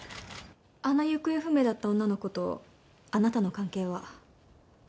あの行方不明だった女の子とあなたの関係は？